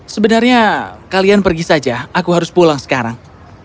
sebenarnya kalian pergi saja aku harus pulang sekarang